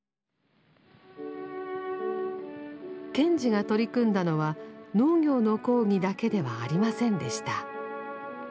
賢治が取り組んだのは農業の講義だけではありませんでした。